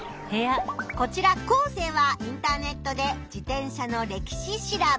こちらコウセイはインターネットで自転車の歴史調べ。